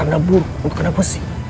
ini pertanda buruk untuk kena busi